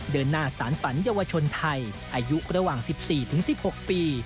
เดินหน้าสารฝันเยาวชนไทยอายุระหว่าง๑๔๑๖ปี